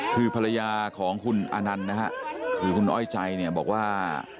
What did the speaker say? คือภรรยาของคุณอานันต์นะฮะคือคุณอ้อยใจเนี่ยบอกว่า